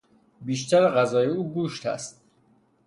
بیشتر غذای او گوشت است